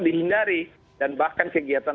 dihindari dan bahkan kegiatan